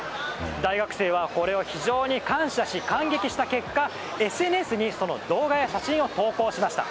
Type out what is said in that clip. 大学生がこれに非常に感謝し感激した結果ＳＮＳにその動画や写真を投稿しました。